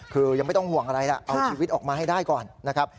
คือยังไม่ต้องห่วงอะไรล่ะเอาชีวิตออกมาให้ได้ก่อนนะครับ